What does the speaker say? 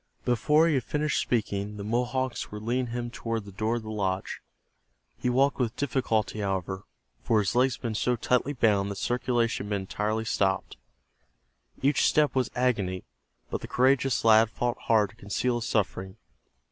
Before he had finished speaking the Mohawks were leading him toward the door of the lodge. He walked with difficulty, however, for his legs had been so tightly bound that circulation had been entirely stopped. Each step was agony, but the courageous lad fought hard to conceal his suffering.